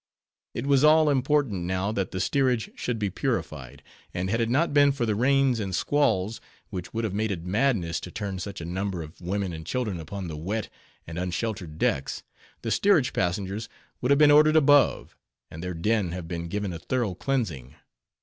It was all important now that the steerage should be purified; and had it not been for the rains and squalls, which would have made it madness to turn such a number of women and children upon the wet and unsheltered decks, the steerage passengers would have been ordered above, and their den have been given a thorough cleansing.